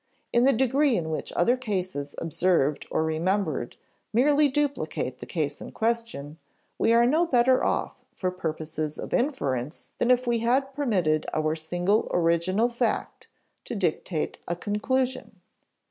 In the degree in which other cases observed or remembered merely duplicate the case in question, we are no better off for purposes of inference than if we had permitted our single original fact to dictate a conclusion.